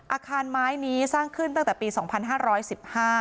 อาคารไม้นี้สร้างขึ้นตั้งแต่ปี๒๕๑๕